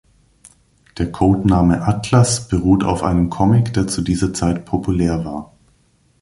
Der Code Name "Atlas" beruht auf einem Comic, der zu dieser Zeit populär war.